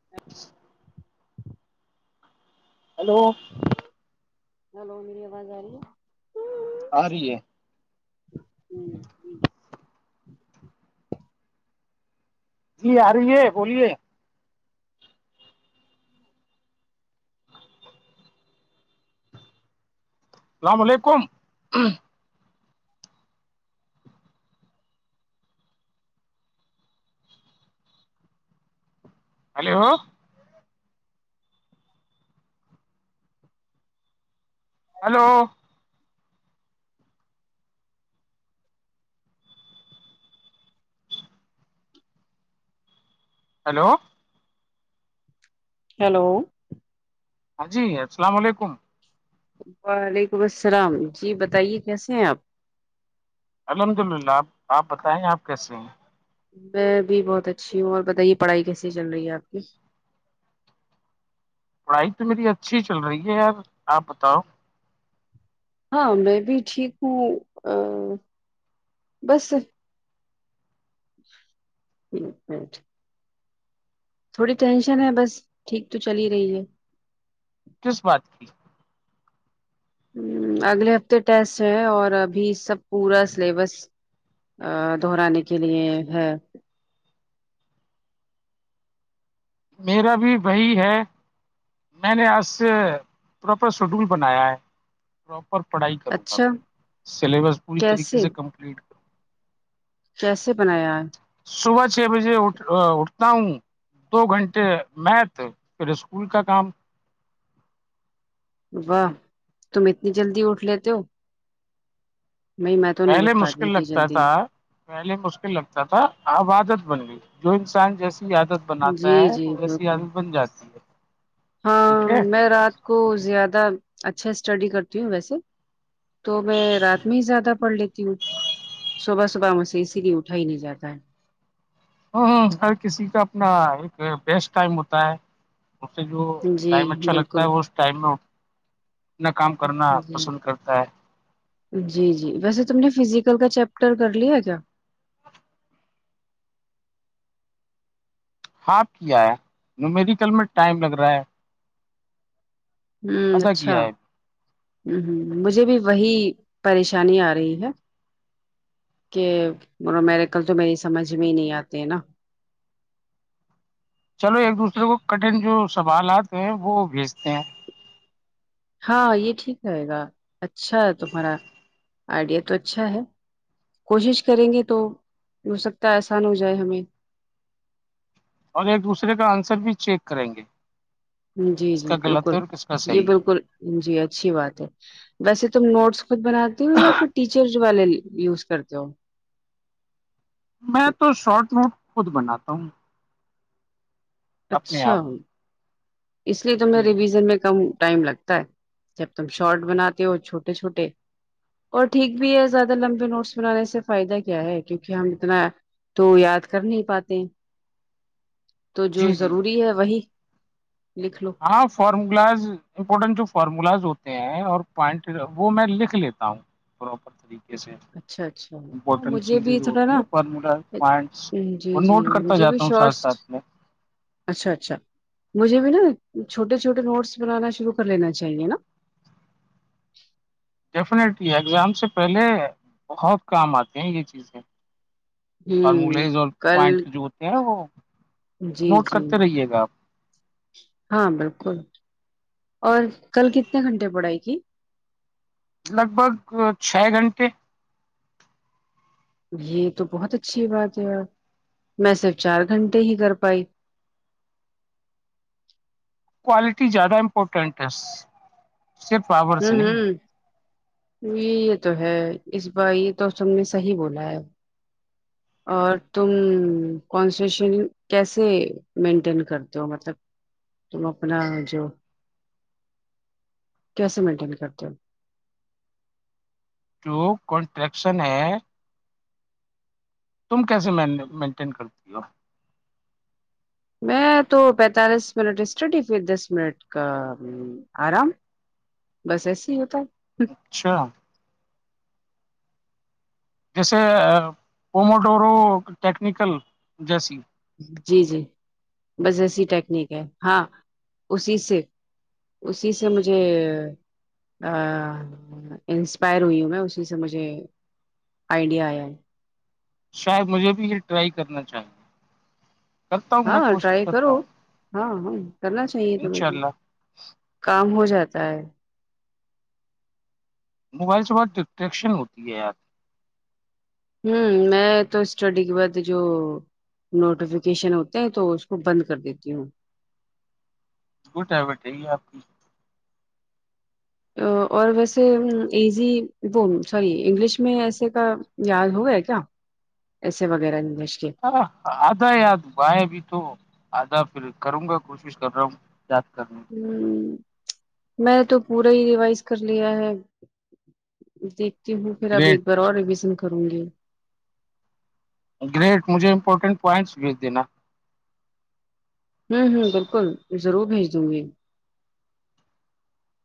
[inaudible] hello hello میری آواز آ رہی ہے آ رہی ہے ہوں ہوں جی آ رہی ہے بولیے السلام علیکم ہیلو ہلو ہیلو ہیلو ہاں جی السلام علیکم وعلیکم السلام جی بتائیے کیسے ہیں آپ الحمد للہ آپ بتائیں آپ کیسے ہیں میں بھی بہت اچھی ہوں اور بتائیے پڑھائی کیسی چل رہی ہے آپ کی پڑھائی تو میری اچھی چل رہی ہے آپ بتاؤ ہاں میں بھی ٹھیک ہوں بس ایک منٹ تھوڑی ٹینشن ہے بس ٹھیک تو چل ہی رہی ہے کس بات کی ہ اگلے ہفتے ٹیسٹ ہے اور ابھی سب پورا سلیبس ا دہرانے کے لیے ہے میرا بھی باہی ہے میں نے آج سے پراپر شیڈول بنایا ہے پراپر پڑھائی کروں گا اچھا سلیبس پوری طریقے کیسے سے کمپلیٹ کروں کیسے بنایا صبح چھ بجے اٹھ اٹھتا ہوں دو گھنٹے میتھ پھر اسکول کا کام واہ تم اتنی جلدی اٹھ لیتے ہو نہیں میں تو نہیں پہلے اٹھ پاتی مشکل تھی لگتا جلدی تھا پہلے مشکل لگتا تھا اب عادت بن گئی جو انسان جیسی عادت بناتا جی ہے جی تو وسی بالکل آدمی بن جاتی ہے ٹھیک ہے ہاں میں رات کو زیادہ اچھا اسٹڈی کرتی ہوں ویسے تو میں رات میں ہی زیادہ پڑھ لیتی ہوں صبح صبح ہم سے اسی لیے اٹھا ہی نہیں جاتا ہے ہ ہ ہر کسی کا اپنا ایک بیسٹ ٹائم ہوتا ہے اس سے جو جی ٹائم اچھا لگتا ہے بالکل وہ اس ٹائم میں اپنا کام کرنا جی پسند کرتا ہے جی جی ویسے تم نے فزیکل کا چیپٹر کر لیا کیا ہاپ کیا ہے میڈیکل میں ٹائم لگ رہا ہے ہوں ادا اچھا کیا ہے ہمم ہمم مجھے بھی وہی پریشانی آ رہی ہے کہ میرے کل تو میری سمجھ میں ہی نہیں آتے ہے نا چلو ایک دوسرے کو کٹن جو سوالات ہیں وہ بھیجتے ہیں ہاں یہ ٹھیک رہے گا اچھا تمہارا آئیڈیا تو اچھا ہے کوشش کریں گے تو ہو سکتا ہے آسان ہو جائے ہمیں اور ایک دوسرے کا آنسر بھی چیک کریں گے جی کس جی کا غلط بالکل ہے اور کس کا یہ صحیح ہے بالکل جی اچھی بات ہے ویسے تم نوٹس خود بناتے ہو یا پھر ٹیچرز والے یوز کرتے ہو میں تو شارٹ نوٹ خود بناتا ہوں اپنے اچھا آپ اس لیے تمیں جی ریویژن میں کم ٹائم لگتا جب تم شارٹ بناتے ہو چھوٹے چھوٹے اور ٹھیک بھی ہے زیادہ لمبے نوٹس بنانے سے فائدہ کیا ہے کیونکہ ہم اتنا تو یاد کر نہیں پاتے تو جو جی جی جی ضروری ہے وہی لکھ لو ہاں فارمولاز امپورٹنٹ جو فارمولاز ہوتے ہیں اور پوائنٹ وہ میں لکھ لیتا ہوں پراپر طریقے سے اچھا اچھا ہاں امپورٹنٹ مجھے چیزیں بھی جو تھوڑا ہوتی نا ہیں فٹر پوائنٹس جی وہ جی نوٹ کرتا مجھے بھی جاتا ہوں ساتھ شارٹس ساتھ میں اچھا اچھا مجھے بھی نا چھوٹے چھوٹے نوٹس بنانا شروع کر لینا چاہیے نا ڈیفینیٹلی ایگزام سے پہلے بہت کام آتے ہیں یہ چیزیں ہوں فارملیس اور کل پوائنٹ جوتے ہیں نا وہ جی نوٹ جی کرتے رہیے گا آپ ہاں بالکل اور کل کتنے گھنٹے پڑائی کی لگ بھگ چھ گھنٹے یہ تو بہت اچھی بات ہے یار میں صرف چار گھنٹے ہی کر پائی کوالٹی زیادہ امپورٹنٹ ہے صرف آور ہوں سے نہیں ہوں جی یہ تو ہے اس بار یہ تو تم نے صحیح بولا ہے اور تم کنسشن کیسے مینٹین کرتے ہو مطلب تم اپنا جو کیسے مینٹین کرتے ہو جو کنٹریکشن ہے تم کیسے مینٹ مینٹین کرتی ہو میں تو پینتالیس منٹ اسٹڈی پھر دس منٹ کا آرام بس ایسے ہی ہوتا ہے اچھا جیسے پوموڈورو ٹیکنیکل جیسی جی جی بس ایسی ٹیکنیک ہے ہاں اسی سے اسی سے مجھے انسپائر ہوئی ہوں میں اسی سے مجھے آئیڈیا آیا ہے شاید مجھے بھی یہ ٹرائی کرنا چاہیے کرتا ہوں میں ہاں کوشش ٹرائی کرتا کرو ہوں ہاں ہاں کرنا چاہیے تو تمہیں انشاء بھی اللہ کام ہو جاتا ہے موبائل سے بہت ڈٹریکشن ہوتی ہے یار ہوں میں تو اسٹڈی کے بعد جو نوٹیفکیشن ہوتے ہیں تو اس کو بند کر دیتی ہوں گٹ ہیبٹ ہے یہ آپ کی اور ویسے ایزی وہ سوری انگلش میں ایسے کا یاد ہو گئے کیا ایسے وغیرہ انگلش کے حد ہے یار بائےگی تو آدھا پھر کروں گا کوشش کر رہا ہوں یاد کرنے کی ہ میں تو پورا ہی ریوائز کر لیا ہے دیکھتی ہوں پھر اب ایک گریٹ بار اور رویژن کروں گی گریٹ مجھے امپورٹ پوائنٹس بھیج دینا ہوں ہوں بالکل ضرور بھیج دوں گی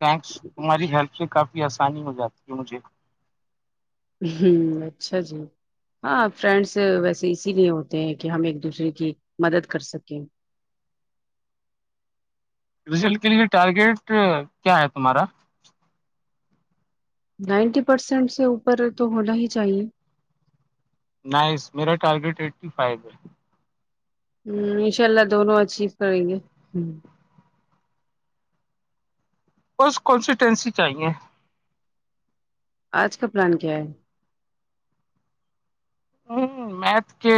تھینکس تمہاری ہیلپ سے کافی آسانی ہو جاتی ہے مجھے ہوں اچھا جی ہاں فرینڈس ویسے اسی لیے ہوتے ہیں کہ ہم ایک دوسرے کی مدد کر سکیں رزلٹ کے لیے ٹارگیٹ کیا ہے تمہارا نائنٹی پرسینٹ سے اوپر تو ہونا ہی چاہیے نائس میرا ٹارگٹ ائٹیفیو ہے ہ انشاء اللہ دونوں اچیو کریں گے اس کونسی ٹینسی چاہیے آج کا پلان کیا ہے ہ میتھ کے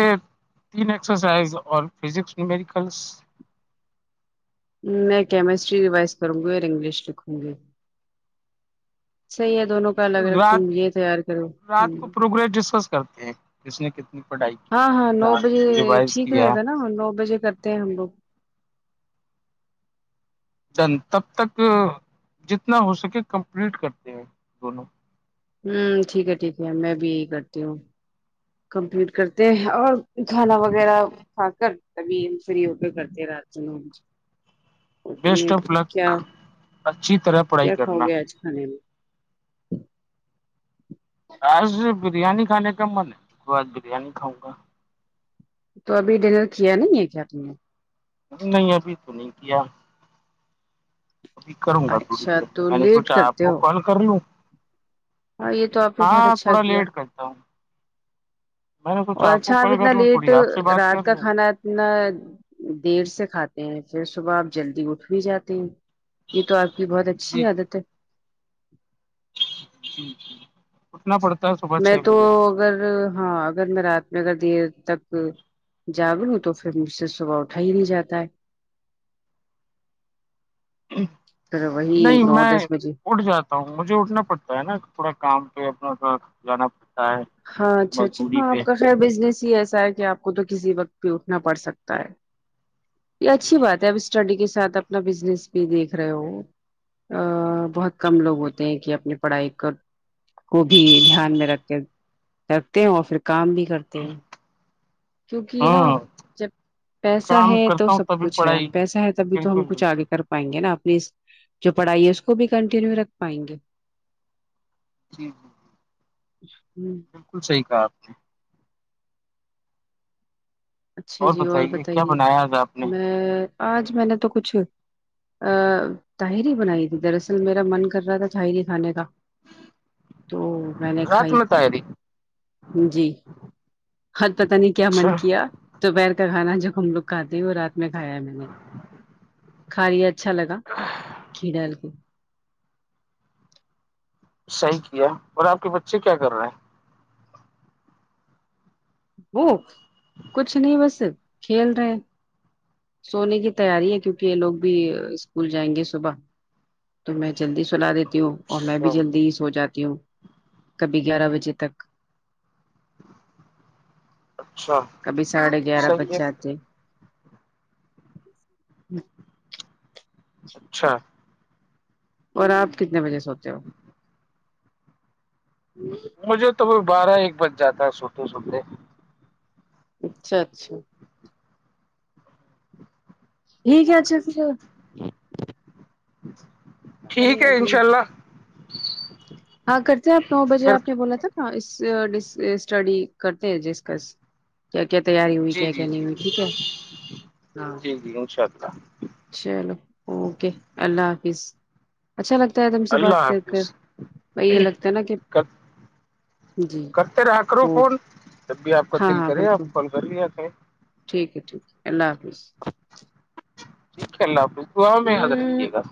تین ایکسرسائز اور فزکس مڈیکلس میں کیمسٹری ریوائز کروں گی اور انگلش لکھوں گی صحیح ہے دونوں کا الگ الگ تم رات یہ تیار کرو رات کو پروگریس ڈسکس کرتے ہیں کس نے کتنی پڑھائی کی ہاں ہاں نو کتنا بجے ریوائز ٹھیک کیا رہےگا نا نو بجے کرتے ہیں ہم لوگ جن تب تک جتنا ہو سکے کمپلیٹ کرتے ہیں دونوں ہممم ٹھیک ہے ٹھیک ہے میں بھی یہی کرتی ہوں کمپلیٹ کرتے ہیں اور کھانا وغیرہ کھا کر تبھی فری ہو کے کرتے رہتے ہو اور تم نے بیسٹ آف کیا لک اچھی طرح پڑھائی کیا کھاؤ کرنا گے آج کھانے میں آج بریانی کھانے کا من ہے آج بریانی کھاؤں گا تو ابھی ڈنر کیا نہیں ہے کیا تم نے نہیں ابھی تو نہیں کیا ابھی کروں گا تھوڑی اچھا دیر میں تو میں نے لیٹ سوچا آپ کرتے کو ہو کال کر لو ہاں یہ تو آپ نے بہت ہاں اچھا تھوڑا کیا لیٹ کرتا ہوں میں نے سوچا اور کو اچھا آپ کال اتنا کر لوں لیٹ تھوڑی آپ سے بات رات کر کا لوں کھانا نہ دیر سے کھاتے ہیں پھر صبح آپ جلدی اٹھ بھی جاتے ہیں یہ تو آپ کی بہت اچھی عادت ہے ہمم نا پڑتا ہے میں تو اگر ہاں اگر میں رات میں اگر دیر تک جاگ لوں تو پھر مجھ سے صبح اٹھا ہی نہیں جاتا ہے پھر وہی نہیں نو میں دس بجے اٹھ جاتا مجھے اٹھنا پڑتا ہے نا تھوڑا کام پہ اپنا جانا ہے ہاں اچھاجی مزدوری ہاں آپ پہ کا بزنس ہی ایسا ہے کہ آپ کو تو کسی وقت بھی اٹھنا پڑ سکتا ہے یہ اچھی جی، بات ہے اب اسٹڈی کے ساتھ اپنا بزنس بھی دیکھ رہے ہو ا بہت کم لوگ ہوتے ہیں کہ اپنی پڑھائی کو کو بھی دھیان میں رکھ کے رکھتے ہیں اور پھر کام بھی کرتے ہیں ک نا ہاں جب پیسہ کام ہے تو کرتا ہوں سب تبھی کچھ ہے پڑھائی پیسہ ہے تبھی تو ہم بالکل کچھ بالکل آگے کر پائیں گے نا اپنی جو پڑھائی ہے اس کو بھی کنٹینیو رکھ پائیں گے جی جی ہوں بالکل صحیح کہ آپ نے اچھا جی اور کیا بتائیے بنایا آج آپ نے میں آج میں نے تو کچھ ا تاہری بنائی تھی دراصل میرا من کر رہا تھا تاہری کھانے کا تو میں نے رات کھائی میں تاری جی اج پتہ نہیں کیا من اچھا کیا دوپہر کا کھانا جب ہم لوگ کاتے وہ رات میں کھایا ہے میں نے کھا لی اچھا لگا گھی ڈال کے صحیح کیا اور آپ کے بچے کیا کر رہے ہیں وہ کچھ نہیں بس کھیل رہے ہیں سونے کی تیاری ہے کیونکہ یہ لوگ بھی اسکول جائیں گے صبح تو میں جلدی سنا دیتی ہوں اور میں اچھا بھی جلدی ہی سو جاتی ہوں کبھی گیارہ بجے تک اچھا کبھی ساڑھے گیارہ بج صحیح ہے جاتے اچھا اور آپ کتنے بجے سوتے ہو مجھے توئی بارہ ایک بج جاتا ہے سوتے سوتے اچھا اچھا ٹھیک اچھے پھر ٹھیک ارے ہے ابھی انشاء اللہ ہاں کرتے ہیں آپ نو بجے پھر آپ نے بولا تھا نا اس اسٹڈی کرتے ہیں جس کر ج کیا کیا تیاری ہوئی جی کیا جی کیا نہیں ہوئی جی ٹھیک ہے ہاں جی جی انشاء اللہ چلو اوکے اللہ حافظ اچھا لگتا ہے تم سے بات کر کر بھائی یہ لگتا ہے نا کہ کت جی کر تے راہا کرو فون اوکے تب بھی آپ کا ہاں دل ہاں کرے بالکل آپ کال کر لیا کریں ٹھیک ہے ٹھیک ہے اللہ حافظ ٹھیک ہے اللہ حافظ دعاؤں میں یاد ہوں رکھیے گا